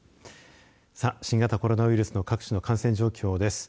さあ、新型コロナウイルスの各地の感染状況です。